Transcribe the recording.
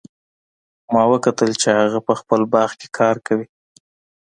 ما وکتل چې هغه په خپل باغ کې کار کوي